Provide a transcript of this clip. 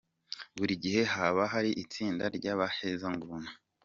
Buri gihe haba hari itsinda ry’abahezanguni.